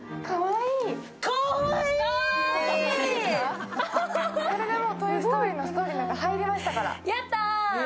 かわいい！！